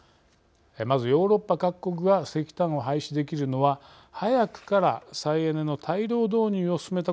まずヨーロッパ各国が石炭を廃止できるのは早くから再エネの大量導入を進めたことが大きいといえます。